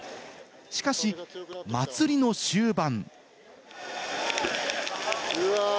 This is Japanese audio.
しかし、祭りの終盤。